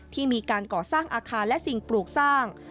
ที่มีการก่อสร้างอาคารและสิ่งปลูกสร้าง